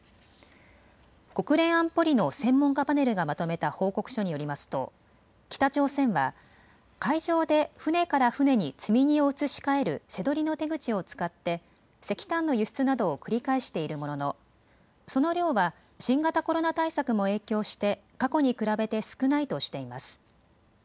国連安保理の専門家パネルがまとめた報告書によりますと北朝鮮は海上で船から船に積み荷を移し替える瀬取りの手口を使って石炭の輸出などを繰り返しているもののその量は新型コロナ対策も影響して過去に比べて少ないとしています。